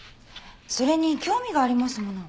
それに興味がありますもの。